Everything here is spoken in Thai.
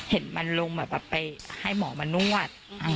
เห็นมันลงแบบไปให้หมอมานวด